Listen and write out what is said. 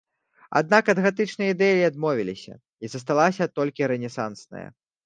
Аднак ад гатычнай ідэі адмовіліся, і засталася толькі рэнесансная.